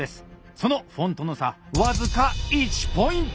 そのフォントの差僅か１ｐｔ！